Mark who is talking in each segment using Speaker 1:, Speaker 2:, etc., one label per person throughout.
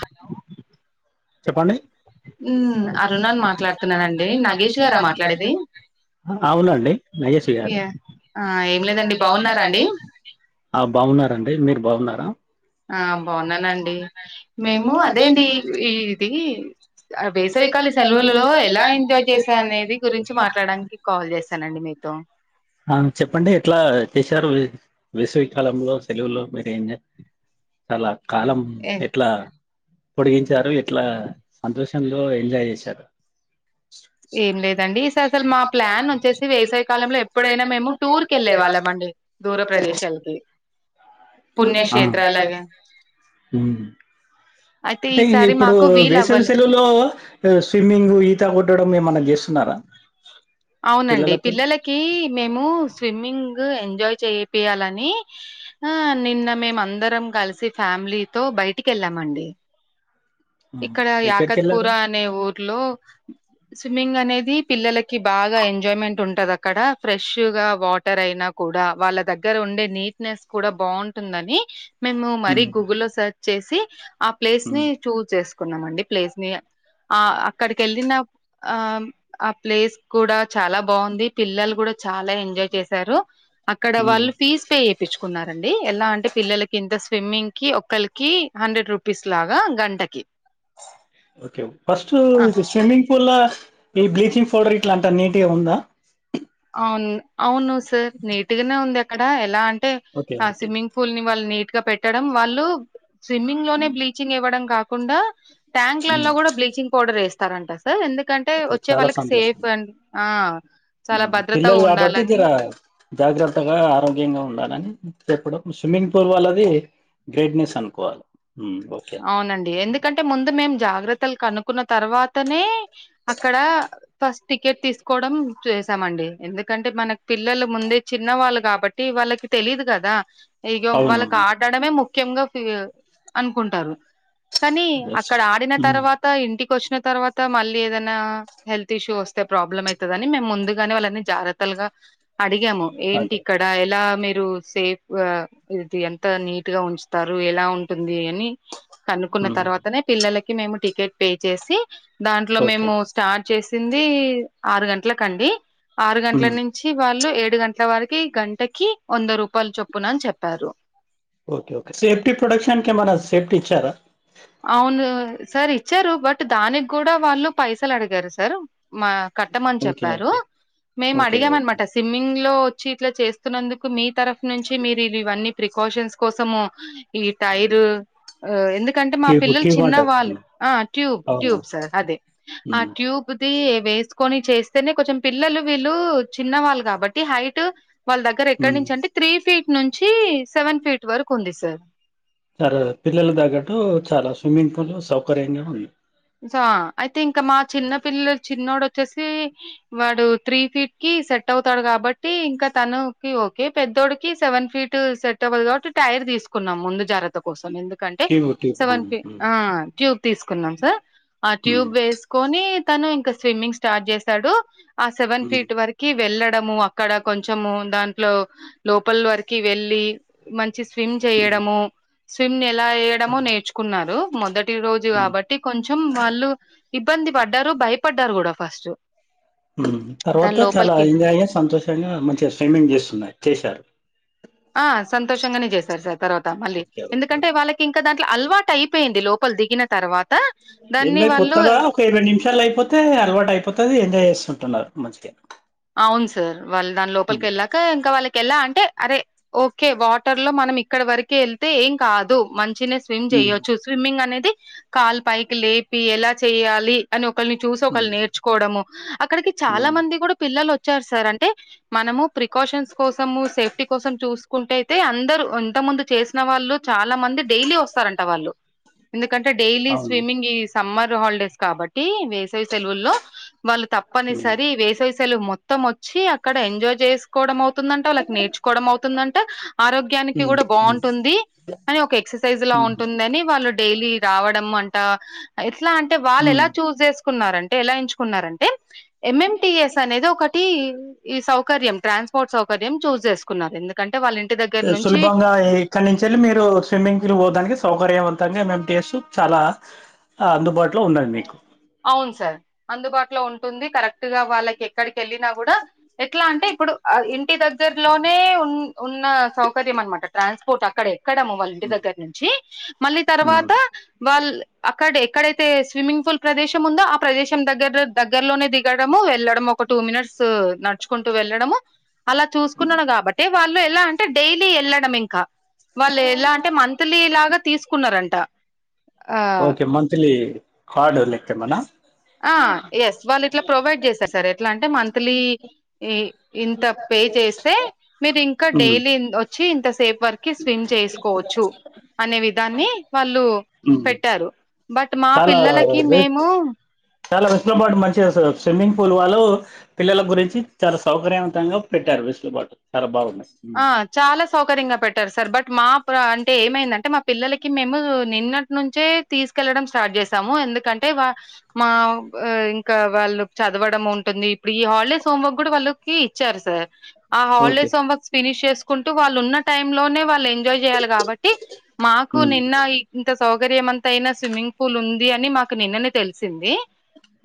Speaker 1: Hello
Speaker 2: అరుణనీ మాట్లాడుతున్నా అండి నబీష్ గారా మాట్లాడేది అవునండి నబిష్ గారినీ
Speaker 1: యా ఆ ఏం లేదండి బాగున్నారా అండి
Speaker 2: [inaudible] ఆ బాగున్నారండి మీరు బాగున్నారా
Speaker 1: ఆ బాగున్నానండి మేము అదేండి ఈ ఇది వేసవికాళి సెలవులలో ఎలా ఎంజాయ్ చేశా అనేది గురించి మాట్లాడడానికి కాల్ చేస్తానండి మీరు తో
Speaker 2: ఆ చెప్పండి ఎట్లా చేశారు వేసవి కాలంలో సెలవులో మీరు ఏం చాలా కాలం
Speaker 1: ఏ
Speaker 2: ఎట్లా పొడిగించారు ఇట్లా సంతోషంలో ఎంజాయ్ చేశారు
Speaker 1: ఏం లేదండి స అసలు మా ప్లాన్ వచ్చేసి వేసవి కాలంలో ఎప్పుడైనా మేము టూర్కి వెళ్ళే వాళ్ళం అ అంతే దురప్రదేశాలకి
Speaker 2: ఆ
Speaker 1: పుణ్యక్షేత్రాలగా
Speaker 2: ఉమ్
Speaker 1: అయితే
Speaker 2: అంటే
Speaker 1: ఈసారి
Speaker 2: ఇప్పుడు
Speaker 1: మాకు వీలు
Speaker 2: వేసవి
Speaker 1: అవ్వలే
Speaker 2: సెలువులో స్విమ్మింగ్ ఈత కొట్టడం ఏమన్నా చేస్తున్నారా
Speaker 1: అవునండి
Speaker 2: పిల్లలతో
Speaker 1: పిల్లలకి మేము స్విమ్మింగ్ ఎంజాయ్ చేపియాలని ఆ నిన్న మేము అందరం కలిసి ఫ్యామిలీతో బయటికి వెళ్ళాము అండి
Speaker 2: ఆ,
Speaker 1: ఇక్కడ
Speaker 2: ఎక్కడికి
Speaker 1: యాకత్ పూర
Speaker 2: వెళ్ళారు
Speaker 1: అనే ఊర్లో స్విమ్మింగ్ అనేది ఇది పిల్లలకి బాగా ఎంజాయ్మెంట్ ఉంటది అక్కడ ఫ్రెష్ గా వాటర్ అయినా కూడా వాళ్ళ దగ్గర గ్గర ఉండే నీట్నెస్ కూడా బావుంటుందని మేము మరీ
Speaker 2: ఉమ్
Speaker 1: గూగుల్లో సెర్చ్ చేసి ఆ ప్లేస్ని
Speaker 2: ఉమ్
Speaker 1: చూజ్ చేసుకున్నాం అండి ప్లేస్ని ఇగ ఆ అక్కడికి ఎళ్ళిన ఆ ఆ ప్లేస్ కూడా చాలా బావుంది పిల్లలు కూడా చాలా ఎంజాయ్ చేశారు అక్కడ
Speaker 2: ఉమ్
Speaker 1: వాళ్ళు ఫీజ్ పే చేపించుకున్నారండి ఎలా అంటే పిల్లలకి ఇంత స్విమ్మింగ్కి ఒక్కలికి హండ్రెడ్ రూపీస్ లాగా గంటకి
Speaker 2: ఓకే ఫస్ట్
Speaker 1: ఆ!
Speaker 2: ఇది స్విమ్మింగ్ పూల్ల ఈ బ్లీచింగ్ పౌడర్ ఇట్లాంటా నీట్గా ఉందా
Speaker 1: అవును అవును సార్ నీట్గానే ఉంది అక్కడ ఎలా అ టే
Speaker 2: ఓకే
Speaker 1: ఆ
Speaker 2: ఓకే
Speaker 1: స్విమ్మింగ్పూల్ని వాళ్ళు నీట్గా పెట్టడం వాళ్ళు స్విమ్మింగ్లోనే బ్లీచింగ్ ఇవ్వడం కాకుండా ట్యాంక్ల్లలో
Speaker 2: ఉమ్.
Speaker 1: కూడా బ్లీచింగ్ పౌడర్ వేస్తారంట ఎందుకంటే
Speaker 2: ఓకే,
Speaker 1: వచ్చే
Speaker 2: చాలా
Speaker 1: వాళ్ళకి
Speaker 2: సంతోషం
Speaker 1: సేఫ్ అండి ఆ చాలా భద్రతగా
Speaker 2: పిల్లలు కాబట్టి
Speaker 1: ఉండాలని.
Speaker 2: జర జాగ్రత్తగా ఆరోగ్యంగా ఉండాల అని చెప్పడం స్విమ్మింగ్ పూల్ వాళ్ళది గ్రేట్నెస్ అనుకోవాలి ఉమ్, ఓకే
Speaker 1: అవునండి ఎందుకంటే ముందు మేం జాగ్రత్తలు కనుకున్న తర్వాతనే అక్కడ ఫస్ టికెట్ తీసుకోవడం చేసామండి ఎందుకంటే మన పిల్లలు ముందే చిన్నవాళ్ళు కాబట్టి వాళ్ళకి తెలీదు కదా ఇగో వాళ్ళకు
Speaker 2: అవునవును
Speaker 1: ఆడడమే ముఖ్యంగా ఫి అనుకుంటారు కానీ అక్కడ ఆడిన
Speaker 2: ఉమ్,
Speaker 1: తర్వాత ఇంటికి వచ్చిన తర్వాత మళ్ళీ ఏదనా హెల్త్ ఇష్యూ వస్తే ప్రాబ్లం అయితదని మేము ముందుగానే వాళ్ళన్నీ జాగత్తల్గా అడిగాము ఏంటి
Speaker 2: అదే
Speaker 1: ఇక్కడ ఎలా మీరు సేఫ్గ ఇది ఎంత నీట్గా ఉంచుతారు ఎలా ఉంటుంది అని కనుకున్న
Speaker 2: ఉమ్,
Speaker 1: తర్వాతనే పిల్లలకి మేము టికెట్ పే చేసి దాంట్లో
Speaker 2: ఓకే
Speaker 1: మేము స్టార్ట్ చేసింది ఆరు గంటలకండి ఆరు గంటల
Speaker 2: ఉమ్,
Speaker 1: నుంచి వాళ్ళు ఏడ్ డు గంటల వరకి గంటకి వంద రూపాయలు చొప్పునన్ చెప్పారు
Speaker 2: ఓకే ఓకే సేఫ్టీ ప్రొటెక్షన్ కెమన్నా సేఫ్టీ ఇచ్చారా
Speaker 1: అవును సార్ ఇచ్చారు బట్ దానికి కూడా వాళ్ళు పైసలు అడిగారు సార్ మా కట్టమని
Speaker 2: ఓకే
Speaker 1: చెప్పారు
Speaker 2: ఓకే
Speaker 1: మేము
Speaker 2: ఓకే ఓకే
Speaker 1: అడిగామనమాట స్విమ్మింగ్లో చ్చి ఇట్లా చేస్తున్నందుకు మీ తరఫు నుంచి మీరు ఇవన్నీ ప్రికాషన్స్ కోసము ఈ టైరు ఎందుకు టే మా
Speaker 2: ట్యూబ్
Speaker 1: పిల్లలు
Speaker 2: ట్యూబ్
Speaker 1: చిన్న
Speaker 2: అంటారు
Speaker 1: వాళ్ళు
Speaker 2: ఉమ్,
Speaker 1: ఆ ట్యూబ్ ట్యూబ్
Speaker 2: అవును
Speaker 1: సార్ అదే ఈ వేసుకొని చేస్తేనే కొంచెం పిల్లలు వీళ్ళు చిన్నవాళ్ళు కాబట్టి హైటు వాళ్ళ దగ్గర ఎక్కడి
Speaker 2: ఉమ్
Speaker 1: నుంచి అంటే త్రీ ఫీట్ నుంచి సెవెన్ ఫీట్ వరకు ఉంది సార్
Speaker 2: చర పిల్లల తగ్గట్టు చాలా స్విమ్మింగ్ పూల్ సౌకర్యంగా ఉంది
Speaker 1: సో అయితే ఇంకా మా చిన్న పిల్లల చిన్నోడు వచ్చేసి వాడు త్రీ ఫీట్కి సెట్ అవుతాడు కాబట్టి ఇంకా తనుకి ఓకే పెద్దోడికి సెవెన్ ఫీట్ సెట్ అవ్వదు కాబట్టి టైర్ తీసుకున్నాం ముందు జాగ్రత్త కోసం ఎందుకు కంటే
Speaker 2: ట్యూబ్ ట్యూబ్ ఆ
Speaker 1: సెవెన్
Speaker 2: ఉమ్ ఉమ్
Speaker 1: ఆ ట్యూబ్ తీసుకున్నాం సార్ ఆ ట్యూబ్ వేసుకొని తను ఇంకా స్విమ్మింగ్ స్టార్ట్ చేశాడు ఆ సెవెన్
Speaker 2: ఉమ్
Speaker 1: ఫీట్ వరకి వెళ్ళడ్ డము అక్కడ కొంచెము దాంట్లో లోపల వర్కి వెళ్ళి మ చి స్విమ్
Speaker 2: ఉమ్
Speaker 1: చేయడము స్విమ్ ఎలా ఎయడము నేర్చుకున్నారు మొదటి రోజు
Speaker 2: ఉమ్
Speaker 1: కాబట్టి కొంచెం వాళ్ళు ఇబ్బంది పడ్డారు భయపడ్డారు కూడా ఫస్ట్
Speaker 2: మ్
Speaker 1: దాని
Speaker 2: తర్వాత చాలా
Speaker 1: లోపలికి
Speaker 2: ఎంజాయ్గ సంతోషంగా మంచిగా స్విమ్మింగ్ చేస్తున్నాయి చేశారు
Speaker 1: ఆ సంతోషంగానే చేశారు సార్ తర్వాత మళ్ళీ
Speaker 2: ఓకే ఓకే
Speaker 1: ఎందుకంటే
Speaker 2: ఓకే.
Speaker 1: వాళ్ళకి ఇంకా దాంట్లో అలవా టయిపోయింది లోపల దిగిన తర్వా
Speaker 2: ఎన్వై కొత్తదా ఒక ఇరవై నిమిషాలు అయిపోతే అలవాటు అయిపోతుంది ఎంజాయ్ చేస్తుంటున్నారు మంచిగా
Speaker 1: అవును సార్ వాళ్ళు దాని లోపలికి
Speaker 2: ఉమ్
Speaker 1: వెళ్ళాక ఇంకా వాళ్ళకెల అన్ టే అరే ఓకే వాటర్ లో మనం ఇక్కడ వరకే వెళ్తే ఏం కాదు మం చిన్న స్విమ్
Speaker 2: ఉమ్
Speaker 1: చేయచ్చు స్విమ్మింగ్ అనేది కాలు పైకి లేపి ఎలా చేయాలి అని ఒ ఒకల్ని చూసి ఒకళ
Speaker 2: ఉమ్
Speaker 1: నేర్చుకోవడము అక్కడికి చాలా
Speaker 2: ఉమ్
Speaker 1: మంది కూడా పిల్లలు వచ్చారు సార్ అంటే మనము ప్రికాషన్స్ కోసము సేఫ్టీ కోసం చూసు కుంటయితే అందరు ఇంత ముందు చేసిన వాళ్ళు చాలా మంది డైలీ వస్తారంట వాళ్ళు ఎందుకంటే డైలీ
Speaker 2: అవును
Speaker 1: స్విమ్మింగ్ ఈ సమ్మర్ హాలిడేస్ కాబట్టి వేసవి సెలవుల్లో వాళ్ళు
Speaker 2: ఉమ్
Speaker 1: తప్పనిసరి వేసవిసెలు మొత్తం వచ్చి అక్కడ ఎంజాయ్ చేసుకోవడము తుందంట వాళ్ళకి నేర్చుకోవడం అవుతుందంట ఆరోగ్యానికి
Speaker 2: ఉమ్
Speaker 1: కూడా
Speaker 2: ఉమ్
Speaker 1: బాగుంటుంది అని ఒక ఎక్సర్సైజ్ లా
Speaker 2: ఉమ్
Speaker 1: ఉంటుందని వాళ్ళు డైలీ రావడం అంట ఎట్లా అంటే వాళ్ళు ఎలా
Speaker 2: ఉమ్
Speaker 1: చూజు చేసు కున్నారంటే ఎలా ఎంచుకున్నారంటే ఎం ఎంటిఎస్ అనేది ఒకటి ఈ సౌ సకర్యం ట్రాన్స్పోర్ట్ సౌకర్యం చూజ్ చేసున్నారు ఎందుకం
Speaker 2: సులభంగా ఇక్కడి నుంచి వెళ్ళి మీరు స్విమ్మింగ్ పూల్ పోడానికి సౌకర్యంవం తంగా ఎం ఎం టీ ఎస్ చాలా అందుబాటులో ఉన్నది మీకు
Speaker 1: అవును సార్ అందుబాటులో ఉంటుంది కరెక్ట్ గా వాళ్ళకి ఎక్కడికెళ్ళినా కూడా ఎట్లా అంటే ఇప్పుడు ఆ ఇంటి దగ గ్గర్లోనే ఉ ఉన్న సౌకర్యం అనమాట ట్రాన్స్పోర్ట్ అక్కడే అక్కడము వాళ్ళ ఇంటి దగ్గర నుంచి మళ్ళీ
Speaker 2: ఉమ్
Speaker 1: తర్వాత వాళ్ అక్కడే ఎక్కడైతే స్విమ్మింగ్ పూల్ ప్రదేశం ఉందో ఆ ప్రదేశం దగ్గర దగ్గరలోనే దిగడము వెళ్ళడం ఒక టూ మినిట్స్ నడుచుకుంటూ వె వెళ్ళడము అలా చూసుకుంటన్న కాబట్టి వాళ్ళు ఎలా అంటే డైలీ ఎళ్ళడం ఇంక వాళ్ళు ఎలా అంటే మంత్లీ లాగా తీసుకున్నారంట ఆ
Speaker 2: ఓకే మంత్లీ కార్డు లెక్కే మనా
Speaker 1: ఆ ఎస్ వాళ్ళు ఇట్లా ప్రొవైడ్ చేస్తారు సార్ ఎట్లా అంటే మంత్లీ ఇ ఇంత పే చేస్తే మీరు ఇంకా
Speaker 2: ఉమ్
Speaker 1: డైలీ ఇ వచ్చి ఇంత వర్కి స్విమ్ చేసుకోవచ్చు అనే విధాన్ని వాళ్ళు
Speaker 2: ఉమ్
Speaker 1: పెట్టారు బట్ మా
Speaker 2: చాలా
Speaker 1: పిల్లలకి
Speaker 2: వె
Speaker 1: మేము
Speaker 2: చాలా [unintelligible] పాటు మంచిదసలు స్విమ్మింగ్ పూల్ వాళ్ళు పిల్లల గురించి చాలా సౌకర్యవంతంగా పెట్టారు వేసుతో పాటు చాలా బాగున్నాయి
Speaker 1: ఆ చాలా సౌకర్యంగా పెట్టారు సార్ బట్ మా అంటే ఏమైందంటే మా పిల్లలకి మేము నిన్న నుంచే తీసుకెళ్లడం స్టార్ట్ చేసాము ఎందుకంటే వ మా ఇంకా వాళ్ళు చ చదవడం ఉంటుంది ఇప్పుడు ఈ హాలిడేస్ హోంవర్క్ కూడా వాళ్ళకి ఇచ్చారు సార్ ఆ
Speaker 2: ఓకే
Speaker 1: హాలిడేస్ హోమ్వర్క్స్ ఫినిష్ చేసుకుంటూ వాళ్ళు ఉన్న టైమ్ లోనే వాళ్ళు ఎం ఎంజాయ్ చేయాలి కాబట్టి మాకు
Speaker 2: ఉమ్
Speaker 1: నిన్న ఇంత సౌ గర్యమంతయిన స్విమ్మింగ్ పూల్ ఉంది అని మాకు నిన్నని తెలిసింది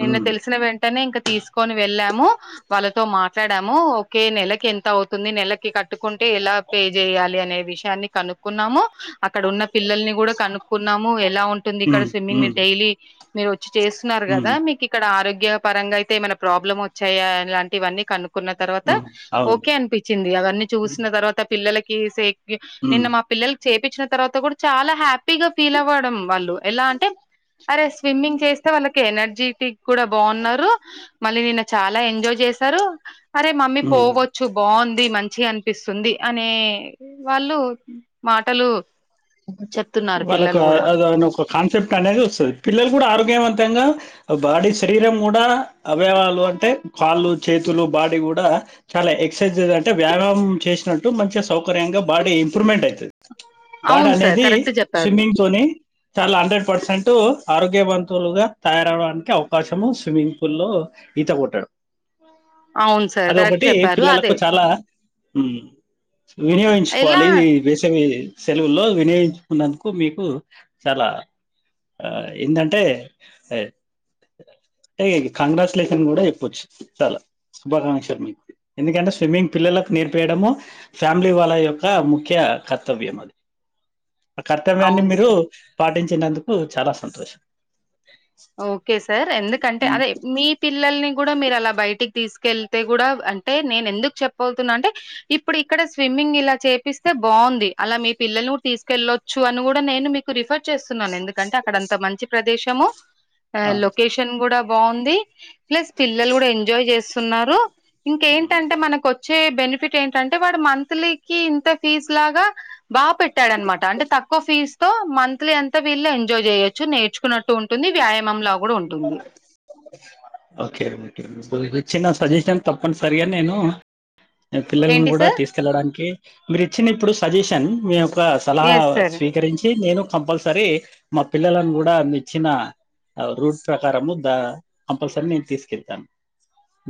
Speaker 1: నిన్న
Speaker 2: ఉమ్
Speaker 1: తెలిసిన వెంటనే ఇంక తీసుకొని వెళ్ళాము వాళ్ళతో మాట్లాడాము ఓకే నెలకి ఎంత అవుతుంది నెలకి కట్ కట్టుకుంటే ఎలా పే చేయాలి అనే విషయాన్ని కనుక్కున్నాము అక్కడ ఉన్న పిల్లల్ని కూడా కనుక్కున్నాము ఎలా ఉంటుంది ఇక్కడ
Speaker 2: ఉమ్
Speaker 1: స్విమ్మింగ్ మీరు
Speaker 2: ఉమ్
Speaker 1: డైలీ మీరు వచ్చి చేస్తున్నారు
Speaker 2: ఉమ్
Speaker 1: కదా మీకిక్కడ ఆరోగ్య పరంగా అయితే ఏమైనా ప్రాబ్లం వచ్చాయా ఇలాంటివన్నీ కనుక్కున్న తర్వాత
Speaker 2: ఉమ్ అవును
Speaker 1: ఓకే అనిపించింది అ చూసిన తర్వాత పిల్లలకి సే నిన్న
Speaker 2: ఉమ్
Speaker 1: మా పిల్లల చేపిచ్చిన తర్వాత కూడా చాలా హ్యాపీగా ఫీల్ అవ్వడం వాళ్ళు ఎలా అంటే అరే స్విమ్మింగ్ చేస్తే వాళ్ళకి ఎనర్జిటిక్ కూడా బావున్నారు మళ్ళీ నిన్న చాలా ఎంజాయ్ చేశారు అరే మమ్మీ
Speaker 2: ఉమ్
Speaker 1: పోవచ్చు బావుంది మంచి చిగా అనిపిస్తుంది అనే వాళ్ళు మాటలు చెప్తు
Speaker 2: వాళ్ళకు అ అ అదను ఒక కాన్సెప్ట్ అనేది వస్తది పిల్లలు కూడా ఆరోగ్యవంతంగా బాడీ శరీరం కూడా అవయవాలు అంటే కాళ్ళు చేతులు బాడీ కూడా చాలా ఎ క్సర్సైజ్ అంటే వ్యాయమం చేసినట్టు మంచిగా సౌకర్యంగా బాడీ ఇంప్రూవ్మెంట్ అయితది బాడీ
Speaker 1: అవును సార్
Speaker 2: అనేది
Speaker 1: కరెక్ట్ చెప్పారు
Speaker 2: స్విమ్మింగ్ తోనే చాలా హండ్రెడ్ పర్సెంటు ఆరోగ్యవంతులుగా తయారవడానికి అవకాశము స్విమ్మింగ్ పూల్ లో ఈత కొట్టడం
Speaker 1: అవును సార్ కరెక్ట్
Speaker 2: అదొకటి
Speaker 1: చెప్పారు
Speaker 2: పిల్లలకు
Speaker 1: అదే
Speaker 2: చాలా ఊమ్
Speaker 1: ఎలా
Speaker 2: వినియోగించుకోవాలి ఈ వేసవి సెలవుల్లో వినియోగించుకున్నందుకు మీకు చాలా ఆ ఏందంటే అం టే కంగ్రాచ్యులేషన్ కూడా చెప్పొచ్చు తల శుభాకాంక్షలు మీకు ఎందుకంటే స్విమ్మింగ్ పిల్లలకు నేర్పీయడము ఫ్యామిలీ వాళ్ళ యొక్క ముఖ్య కర్తవ్యం అది ఆ కర్తవ్యాన్ని
Speaker 1: అవును
Speaker 2: మీరు
Speaker 1: సార్
Speaker 2: పాటించినందుకు చాలా సంతోషం
Speaker 1: ఓకే సార్ ఎందుకంటే అదే మీ పిల్లల్ని కూడా మీరు అలా బయటికి తీసుకెళ్తే కూడా అంటే నేను ఎందుకు చెప్పవుతున్నా అంటే ఇప్పుడు ఇక్కడ స్విమ్మింగ్ మింగ్ ఇలా చేపిస్తే బావుంది అలా మీ పిల్లల్ని కూడా తీసుకెళ్లొచ్చు అని కూడా నేను మీకు రిఫర్ చేస్తున్నాను ఎందుకంటే అక్కడ అంత మంచి ప్రదేశము ఆ లొకేషన్ కూడా బావుంది ప్లస్ పిల్లలు కూడా ఎంజాయ్ చేస్తున్నారు ఇంక ఎంటంటే మనకొచ్ చ్చే బెనిఫిట్ ఏంటంటే వాడు మంత్లీకి ఇంత ఫీజ్ లాగా బాగా పెట్టాడనమాట అంటే త క్కువ ఫీజ్ తో మంత్లీ అంత వీళ్ళు ఎంజాయ్ జేయొచ్చు నేర్చుకున్నట్టు ఉంటుంది వ్యాయామంలా కూడా ఉంటుంది
Speaker 2: ఓకే ఓకే చిన్న సజెషన్ తప్పనిసరిగా నేను నే పిల్లలను
Speaker 1: ఏంటి
Speaker 2: కుడా
Speaker 1: సార్
Speaker 2: తీసుకెళ్ళడానికి మీరు ఇచ్చిన ఇప్పుడు సజెషన్ మీ యొక్క సలహా
Speaker 1: ఎస్ సార్
Speaker 2: స్వీకరించి నేను కంపల్సరీ మా పిల్లలను కూడా మిచ్చిన ఆ రూట్స్ ప్రకారము దా కంపల్సరీ నేను తీసుకెళ్తాను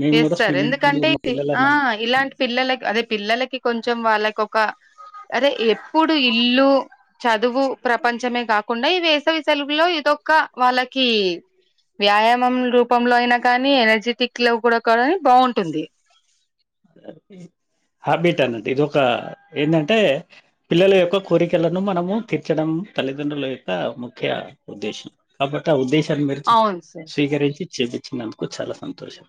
Speaker 2: మేము
Speaker 1: ఎస్
Speaker 2: కూడా
Speaker 1: సార్
Speaker 2: స్విమ్మింగ్ పూల్
Speaker 1: ఎందుకంటే
Speaker 2: మా
Speaker 1: ఇ ఆ
Speaker 2: పిల్లలను
Speaker 1: ఇలాంటి పిల్లల అదే పిల్లలకి కొంచెం వాళ్ళకొక అరే ఎప్పుడు ఇల్లు చదువు ప్రపంచమే కాకుండా ఈ వేసవి సెలువులో ఇదొక్క వాళ్ళకి వ్యాయామం రూపంలో అయినా కానీ ఎనర్జెటిక్ లో కూడా కానీ బావుంటుంది
Speaker 2: వాళ్ళకి హాబిట్ అనట్టు ఇది ఒక ఏంటంటే పిల్లల యొక్క కోరికలను మనము తీర్చడం తల్లిదండ్రుల యొక్క ముఖ్య ఉద్దేశం కాబట్టి ఆ ఉద్దేశం మీరు
Speaker 1: అవును సార్
Speaker 2: స్వీకరించి చేపించినందుకు చాలా సంతోషం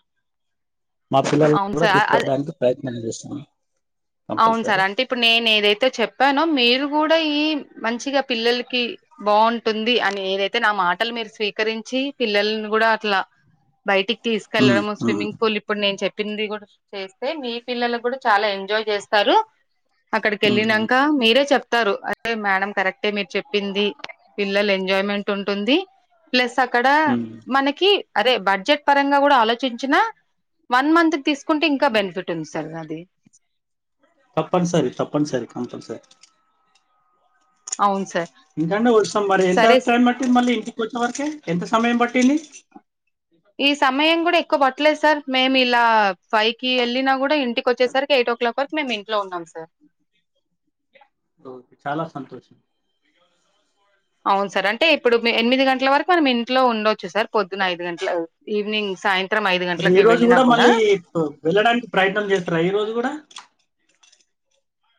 Speaker 2: మా పిల్లలు
Speaker 1: అవును
Speaker 2: కూడా
Speaker 1: సార్ అ
Speaker 2: తీసుకోడానికి ప్రయత్నం చేస్తున్నాను
Speaker 1: అవును సార్ అంటే ఇప్పుడు నేను ఏదైతే చెప్పానో మీరు కూడా ఈ మంచిగా పిల్లలకి బావుంటుంది అని ఏదైతే నా మాటలు మీరు స్వీకరించి పిల్లల్ను కూడా అట్లా బయటికి
Speaker 2: ఉమ్
Speaker 1: తీసుకెళ్లడము
Speaker 2: ఉమ్
Speaker 1: స్విమ్మింగ్ పూల్ ఇప్పుడు నేను చెప్ప ప్పిది కూడా చేస్తే మీ పిల్లలు కూడా చాలా ఎంజాయ్ చేస్తారు
Speaker 2: ఉమ్ ఉమ్
Speaker 1: అక్కడికెళ్ళినాంక మీరే చెప్తారు మేడం కరెక్టే మీరు చెప్పింది పిల్లలు ఎంజాయ్మెంట్ ఉంటుంది ప్లస్ అక్కడ
Speaker 2: ఉమ్.
Speaker 1: మనకి అరే బడ్జెట్ పరంగా కూడా ఆలోచించిన వన్ మంత్ తీసుకుంటే ఇంకా బెనిఫిట్ ఉంది సార్ దా ది
Speaker 2: తప్పనిసరి తప్పనిసరి కంపల్సరి
Speaker 1: అవును సార్.
Speaker 2: ఇంకంటే వస్తాం మరి ఎంత
Speaker 1: సరే స
Speaker 2: టయం పట్టి మళ్ళీ ఇంటికి వచ్చే వరక ఎంత సమయం పట్టింది తని
Speaker 1: ఈ సమయం కూడా ఎక్కువ పట్టలేదు సార్ మేము ఇలా ఫైవ్ కి వెళ్ళిన కూడా ఇంటికి వచ్చేసరికి ఎయిట్ కల వరకు మేము ఇంట్లో ఉన్నాం సార్
Speaker 2: ఓ చాలా సంతోషం
Speaker 1: అవును సార్ అంటే ఇప్పుడు ఎనిమిది గంటల వరకు మనం ఇంట్లో ఉండొచ్చు సార్ పొద్దున ఐదు గంటల ఈవినింగ్ సాయంత్రం
Speaker 2: మరి ఈ
Speaker 1: గంటలకి
Speaker 2: రోజు
Speaker 1: వెళ్ళినా
Speaker 2: కూడా మళ్ళీ వెళ్ళడానికి ప్రయత్నం చేస్తారా ఈ రోజు కూడా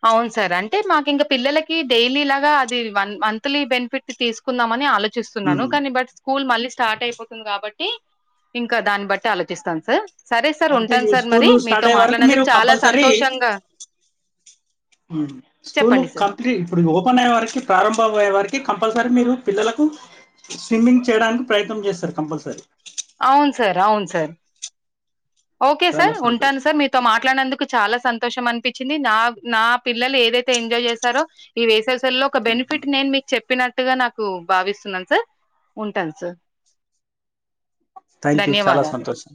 Speaker 1: అవును సార్ అంటే మాకు ఇంకా పిల్లలకి డైలీ లాగా అది వన్ మంత్లీ బెనిఫిట్ తీసుకుందాంమని ఆలోచించ చూస్తున్నాను
Speaker 2: ఉమ్.
Speaker 1: కానీ బట్ స్కూల్ మళ్ళీ స్టార్ట్ అయిపోతుంది కాబట్టి ఇంకా దాన్ని బట్టి ఆలోచిస్తాను సార్ సరే సార్
Speaker 2: అంటే
Speaker 1: ఉంటాను
Speaker 2: ఈ
Speaker 1: సార్ మరి
Speaker 2: స్కూల్ స్టార్ట్
Speaker 1: మీతో
Speaker 2: అయ్యే వరకు మీరు
Speaker 1: మాట్లాడినందుకు చాలా
Speaker 2: కంపల్సరీ
Speaker 1: సంతోషంగా
Speaker 2: స్కూల్
Speaker 1: చెప్పండి సార్.
Speaker 2: కంప్లీట్ ఇప్పుడు ఓపెన్ అయ్యే వరకి ప్రారంభం అయ్యే వారికి కంపల్సరీ మీరు పిల్లలకు స్విమ్మింగ్ చేయడానికి ప్రయత్నం చేస్తారు కంపల్సరీ
Speaker 1: సర ఓకే
Speaker 2: చాలా
Speaker 1: సార్ ఉంటాను
Speaker 2: సంతోషం
Speaker 1: సార్ మీతో మాట్లానందుకు చాలా సంతోషం అనిపించి వచ్చింది నా నా పిల్లలు ఏదైతే ఎంజాయ్ చేస్తారో ఈ వేస లో ఒక బెనిఫిట్ నేను మీకు చెప్పిన అట్టుగా నాకు భావిస్తున్నాను సార్ ఉంటాను సార్
Speaker 2: థ్యాంక్ యూ చాలా
Speaker 1: ధన్యవాదాలు.
Speaker 2: సంతోషం